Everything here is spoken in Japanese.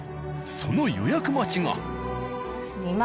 その予約待ちが。